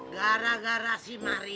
gara gara si maria